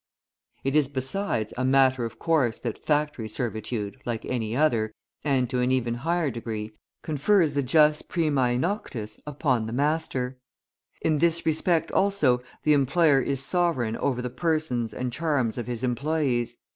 It is, besides, a matter of course that factory servitude, like any other, and to an even higher degree, confers the jus primae noctis upon the master. In this respect also the employer is sovereign over the persons and charms of his employees.